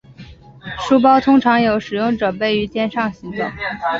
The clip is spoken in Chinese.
书包通常由使用者背于肩上行走。